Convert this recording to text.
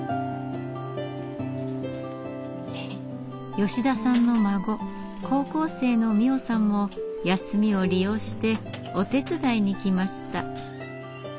吉田さんの孫高校生の実桜さんも休みを利用してお手伝いに来ました。